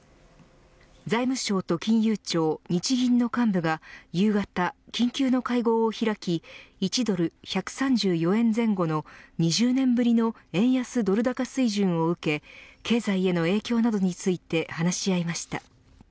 財務省と金融庁日銀の幹部が夕方緊急の会合を開き１ドル１３４円前後の２０年ぶりの円安ドル高水準を受け経済への影響などについて話し合いました。